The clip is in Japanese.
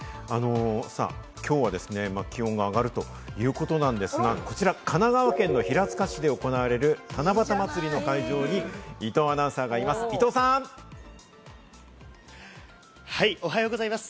きょうは気温が上がるということなんですが、こちら神奈川県の平塚市で行われる、七夕まつりの会場に伊藤アナウンサーがいます、伊藤さはい、おはようございます。